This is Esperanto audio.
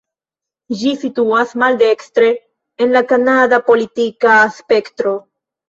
Ĝi situas maldekstre en la kanada politika spektro.